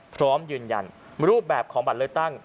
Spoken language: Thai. พร้อมยืนยันรูปแบบของบัตรเลือกตั้ง